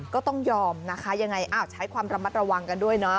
ก็ต้องยอมนะคะยังไงอ้าวใช้ความระมัดระวังกันด้วยเนาะ